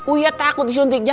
uya takut disuntiknya